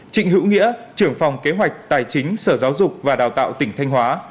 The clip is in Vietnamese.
trịnh hữu nghĩa trưởng phòng kế hoạch tài chính sở giáo dục và đào tạo tỉnh thanh hóa